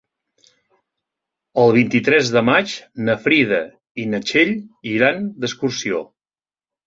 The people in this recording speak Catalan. El vint-i-tres de maig na Frida i na Txell iran d'excursió.